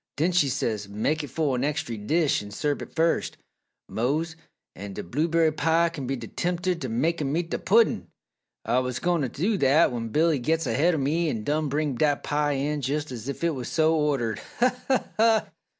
"Den she says, 'Mek it fo' an extry dish an' serb it fust, Mose, an' d' blue berry pie kin be t' tempter t' make 'em eat d' puddin'!' "Ah wuz goin' t' do dat when Billy gits ahaid o' me an' done bring dat pie in jes' es ef it wuz so ordered! Ha, ha, ha!"